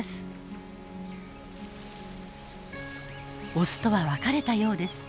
オスとは別れたようです。